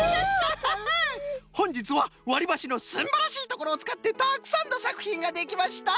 ほんじつはわりばしのすんばらしいところをつかってたくさんのさくひんができました。